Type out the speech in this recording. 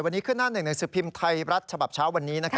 วันนี้คือหน้า๑๑๑สุพิมพ์ไทยรัฐฉบับเช้าวันนี้